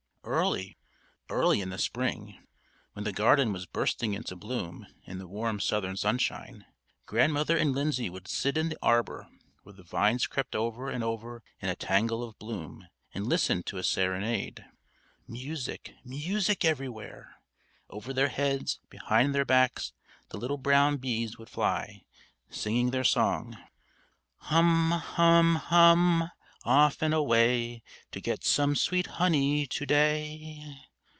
Early, early in the spring, when the garden was bursting into bloom in the warm southern sunshine, Grandmother and Lindsay would sit in the arbor, where the vines crept over and over in a tangle of bloom, and listen to a serenade. Music, music everywhere! Over their heads, behind their backs, the little brown bees would fly, singing their song: "_Hum, hum, hum! Off and away! To get some Sweet honey to day!"